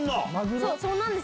そう、そうなんです。